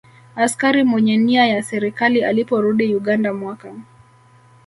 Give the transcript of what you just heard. Askari Mwenye Nia ya Serikali Aliporudi Uganda mwaka